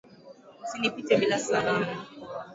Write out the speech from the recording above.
Usinipite bila salamu.